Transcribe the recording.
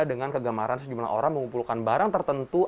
dengan kegamaran sejumlah orang mengumpulkan barang tertentu